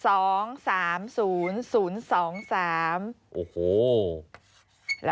โอ้โหแล้ว๒๓๐